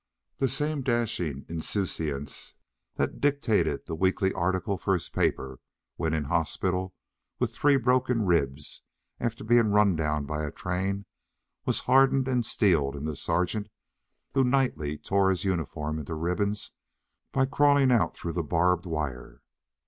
The same dashing insouciance that dictated the weekly article for his paper when in hospital with three broken ribs after being run down by a train was hardened and steeled in the sergeant who nightly tore his uniform into ribbons by crawling out through the barbed wire.